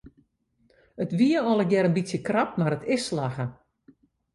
It wie allegear in bytsje krap mar it is slagge.